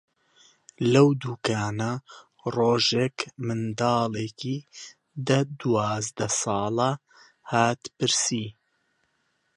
لەو دووکانە ڕۆژێک منداڵێکی دە-دوازدە ساڵە هات پرسی: